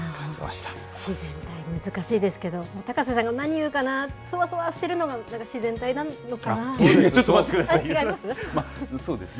自然体、難しいですけど、高瀬さんが何言うかな、そわそわしてるのがなんか自然体なのかな。違います？